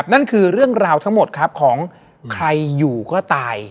นั่นคือเรื่องราวทั้งหมดครับของใครอยู่ก็ตาย